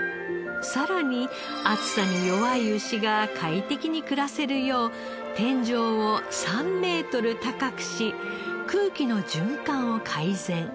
さらに暑さに弱い牛が快適に暮らせるよう天井を３メートル高くし空気の循環を改善。